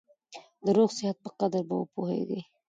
د روغ صحت په قدر به وپوهېږې !